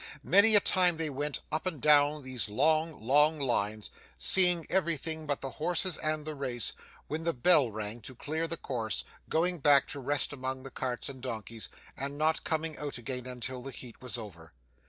Many a time they went up and down those long, long lines, seeing everything but the horses and the race; when the bell rang to clear the course, going back to rest among the carts and donkeys, and not coming out again until the heat was over.